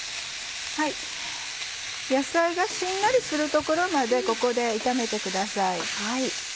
野菜がしんなりするところまでここで炒めてください。